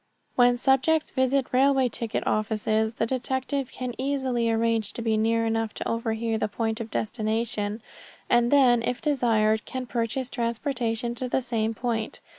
When subjects visit railway ticket offices the detective can easily arrange to be near enough to overhear the point of destination, and then if desired can purchase transportation to the same point.